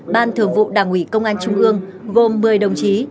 ban thường vụ đảng ủy công an trung ương gồm một mươi đồng chí